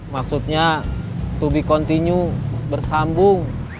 maksudnya to be continue bersambung